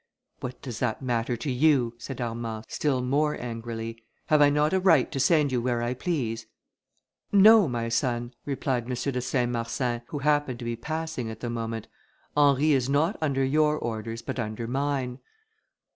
"What does that matter to you," said Armand, still more angrily, "have I not a right to send you where I please?" "No, my son," replied M. de Saint Marsin, who happened to be passing at the moment, "Henry is not under your orders, but under mine."